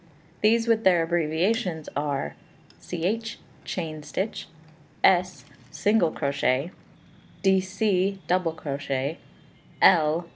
These, with their abbreviations, are: Ch., chain stitch; S., single crochet; Dc., double crochet; L.